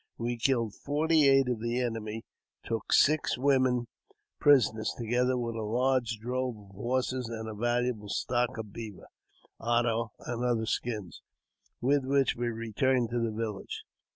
We killed forty eight of the enemy, and took six women prisoners, together with a large drove of horses, and a valuable stock of beaver, otter, and other skins, with which we returned to the village.